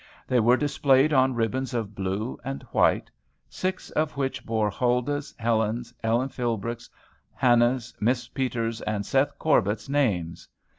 They were displayed on ribbons of blue and white, six of which bore Huldah's, Helen's, Ellen Philbrick's, Hannah's, Miss Peters's, and Seth Corbet's names.